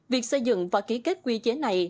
việc xây dựng và ký kết quy chế này